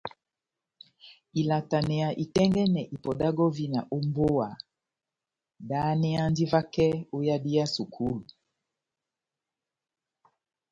Ilataneya itɛ́ngɛ́nɛ ipɔ dá gɔvina ó mbówa dáháneyandi vakɛ ó yadi yá sukulu.